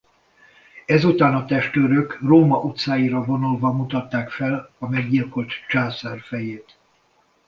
Ezután a testőrök Róma utcáira vonulva mutatták fel a meggyilkolt császár fejét.